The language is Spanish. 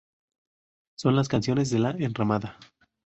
Son las canciones de la "enramada".